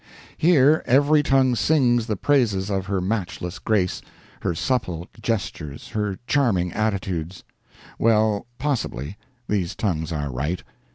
Here every tongue sings the praises of her matchless grace, her supple gestures, her charming attitudes. Well, possibly, these tongues are right.